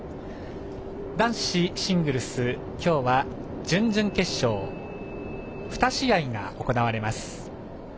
男子シングルス、今日は準々決勝２試合が行われます。